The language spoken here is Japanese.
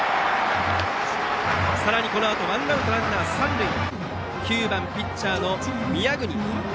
さらにこのあとワンアウトランナー、三塁で９番ピッチャーの宮國。